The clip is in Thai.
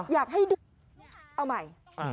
อยากให้เอาใหม่